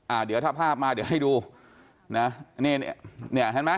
อ่าเดี๋ยวถ้าภาพมาเดี๋ยวให้ดูนะนี่เนี่ยเห็นไหม